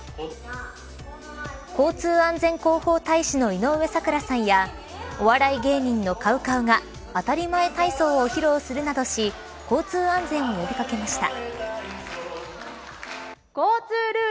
交通安全広報大使の井上咲楽さんやお笑い芸人のＣＯＷＣＯＷがあたりまえ体操を披露するなどし交通安全を呼び掛けました。